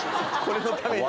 これのために？